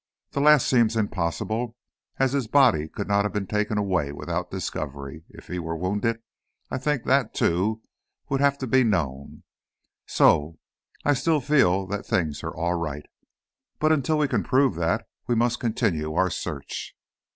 The last seems impossible, as his body could not have been taken away without discovery; if he were wounded, I think that, too, would have to be known; so, I still feel that things are all right. But until we can prove that, we must continue our search."